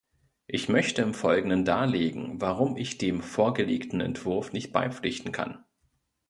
Ich möchte im folgenden darlegen, warum ich dem vorgelegten Entwurf nicht beipflichten kann.